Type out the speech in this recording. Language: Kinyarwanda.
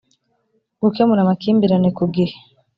gukemura amakimbirane ku gihe